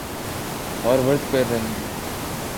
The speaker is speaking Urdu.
اور ورد کر رہے ہیں۔